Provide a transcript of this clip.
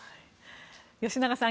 吉永さん。